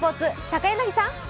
高柳さん。